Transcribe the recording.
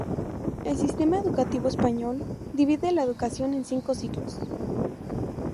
El sistema educativo español, divide la educación en cinco ciclos.